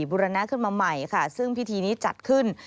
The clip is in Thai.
บุรณะขึ้นมาใหม่ค่ะซึ่งพิธีนี้จัดขึ้น